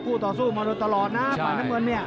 คู่ต่อสู้มันตลอดนะฝ่ายเพมิวนี่